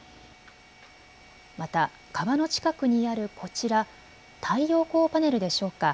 また川の近くにあるこちら、太陽光パネルでしょうか。